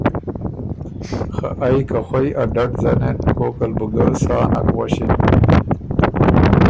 خه ائ که خوئ ا ډډ ځنېن کوک ال بُو ګه سا نک غؤݭِن۔